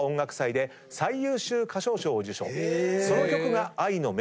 その曲が。